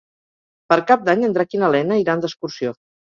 Per Cap d'Any en Drac i na Lena iran d'excursió.